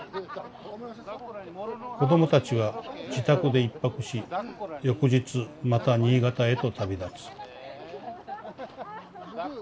「子どもたちは自宅で一泊し翌日また新潟へと旅立つ」。